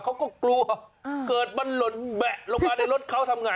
เขาก็กลัวเกิดมันหล่นแบะลงมาในรถเขาทำไง